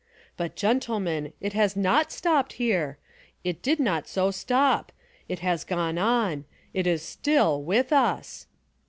"But, gentlemen, it has not stopped here. It did not so stop. It has gone on. It is still with us."